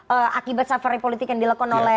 ee akibat safari politik yang dilakukan oleh